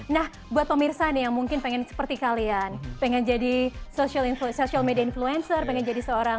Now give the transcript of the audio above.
nah buat pemirsa nih yang mungkin pengen seperti kalian pengen jadi social media influencer pengen jadi seorang